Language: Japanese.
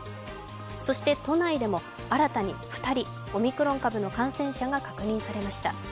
そして都内でも新たに２人、オミクロン株の感染者が確認されました。